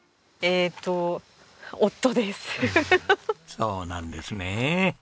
そうなんですね。